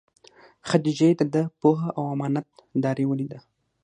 خدیجې دده پوهه او امانت داري ولیده.